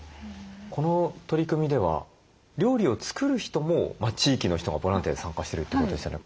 この取り組みでは料理を作る人も地域の人がボランティアで参加してるってことでしたね。